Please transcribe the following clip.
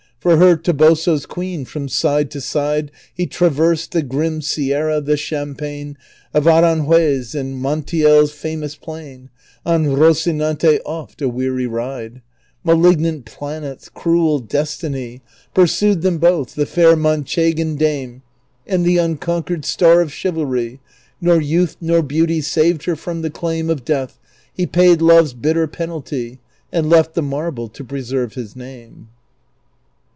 For her, Toboso's queen, from side to side He traversed the grim sierra, the champaign Of Aranjuez, and JMontiel's famous plain : On Rocinante oft a weary ride. Malignant planets, cruel destiny. Pursued them both, the fair IManohegan dame, And the unconquered star of chivalry. Nor youth nor beauty saved her from the claim Of death ; he paid love's bitter penalty, And left the marl)le to preserve his name.